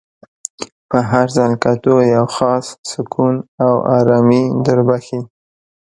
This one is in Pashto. په هر ځل کتو یو خاص سکون او ارامي در بخښي.